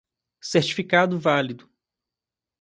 Certificado válido